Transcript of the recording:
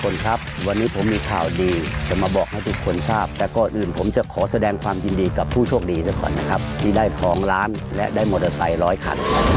นะแอดจะมาบอกข่าวอะไรกับเรา